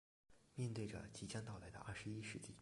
面对着即将到来的二十一世纪